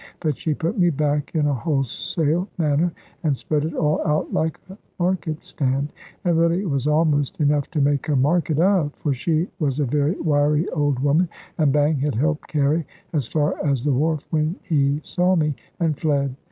But she put me back in a wholesale manner, and spread it all out like a market stand. And really it was almost enough to make a market of; for she was a very wiry old woman, and Bang had helped carry, as far as the wharf, when he saw me, and fled.